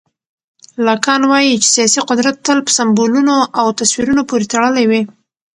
لاکان وایي چې سیاسي قدرت تل په سمبولونو او تصویرونو پورې تړلی وي.